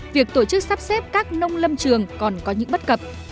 việc tổ chức sắp xếp các nông lâm trường còn có những bất cập